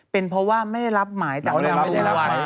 เป็นเพราะว่าไม่ได้รับหมายจากนักภูมิหวัน